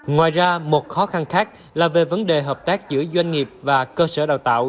ngoài ra một khó khăn khác là về vấn đề hợp tác giữa doanh nghiệp và cơ sở đào tạo